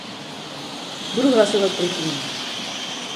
Budu hlasovat proti ní.